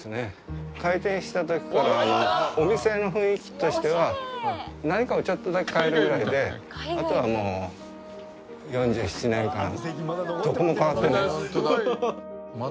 開店した時からお店の雰囲気としては何かをちょっとだけ変えるぐらいであとはもう４７年間どこも変わっていない。